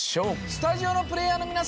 スタジオのプレーヤーの皆さん